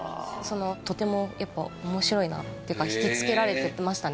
とてもやっぱ面白いなっていうか引きつけられてましたね